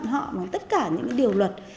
họ bằng tất cả những điều luật